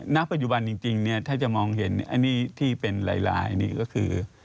ณปัจจุบันจริงถ้าจะมองเห็นอันนี้ที่เป็นหลายนี่ก็คือ